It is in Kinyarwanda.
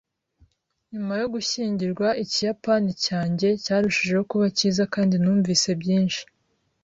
Nyuma yo gushyingirwa, Ikiyapani cyanjye cyarushijeho kuba cyiza kandi numvise byinshi